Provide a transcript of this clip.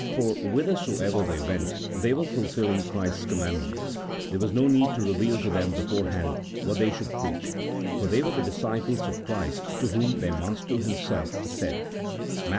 Therefore, whithersoever they went, they were fulfilling Christ's commandment ; there was no need to reveal to them beforehand what they should preach, for they were the disciples of Christ to whom their Master Himself said (Matt.